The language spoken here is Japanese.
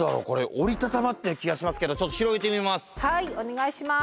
折り畳まってる気がしますけどちょっと広げてみます。